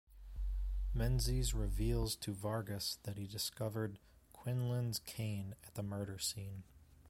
Menzies reveals to Vargas that he discovered Quinlan's cane at the murder scene.